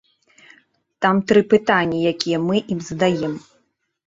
Там тры пытанні, якія мы ім задаем.